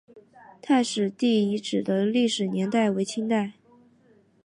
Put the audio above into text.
太史第遗址的历史年代为清代。